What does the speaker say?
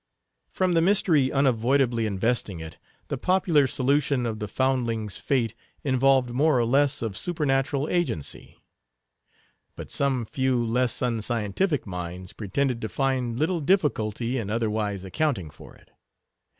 From the mystery unavoidably investing it, the popular solution of the foundling's fate involved more or less of supernatural agency. But some few less unscientific minds pretended to find little difficulty in otherwise accounting for it.